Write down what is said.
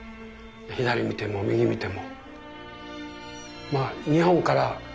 左見ても右見ても。